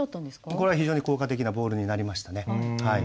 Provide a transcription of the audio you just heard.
これは非常に効果的なボールになりましたね。